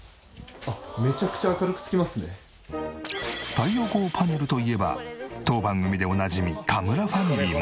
太陽光パネルといえば当番組でおなじみ田村ファミリーも。